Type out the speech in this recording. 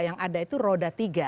yang ada itu roda tiga